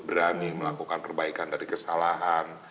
berani melakukan perbaikan dari kesalahan